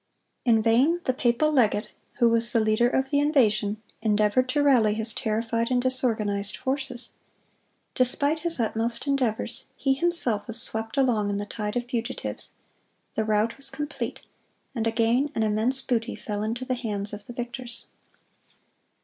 In vain the papal legate, who was the leader of the invasion, endeavored to rally his terrified and disorganized forces. Despite his utmost endeavors, he himself was swept along in the tide of fugitives. The rout was complete, and again an immense booty fell into the hands of the victors.